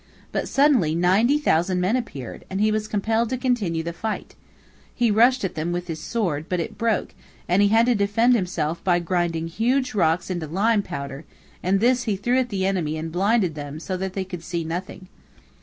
But suddenly ninety thousand men appeared, and he was compelled to continue the fight. He rushed at them with his sword, but it broke, and he had to defend himself by grinding huge rocks into lime powder, and this he threw at the enemy and blinded them so that they could see nothing.